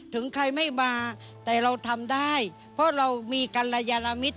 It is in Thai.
ถึงใครไม่มาแต่เราทำได้เพราะเรามีกัลยาลมิต